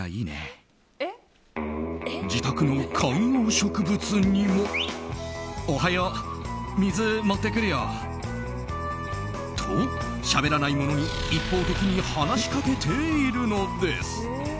自宅の観葉植物にも。と、しゃべらないものに一方的に話しかけているのです。